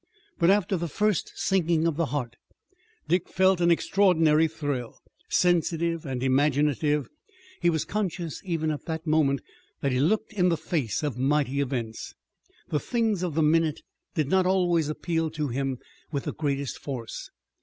But after the first sinking of the heart Dick felt an extraordinary thrill. Sensitive and imaginative, he was conscious even at the moment that he looked in the face of mighty events. The things of the minute did not always appeal to him with the greatest force.